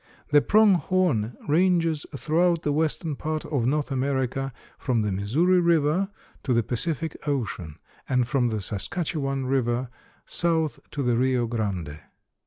The Prong horn ranges throughout the western part of North America from the Missouri river to the Pacific ocean, and from the Saskatchewan river south to the Rio Grande.